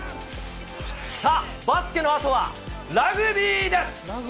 さあ、バスケのあとはラグビーです！